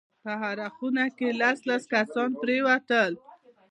په هره خونه کښې لس لس کسان پرېوتل.